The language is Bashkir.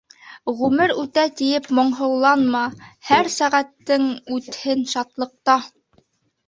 Ғүмер үтә тиеп моңһоуланма, Һәр сәғәтең үтһен шатлыҡта.